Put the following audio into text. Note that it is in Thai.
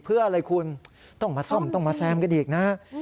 เพื่ออะไรคุณต้องมาซ่อมต้องมาแซมกันอีกนะ